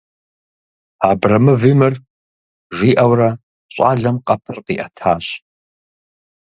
Абрэмыви мыр, - жиӏэурэ щӏалэм къэпыр къиӏэтащ.